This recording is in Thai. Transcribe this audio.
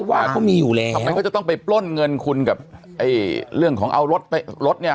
ว่าเขามีอยู่แล้วทำไมเขาจะต้องไปปล้นเงินคุณกับไอ้เรื่องของเอารถไปรถรถเนี่ย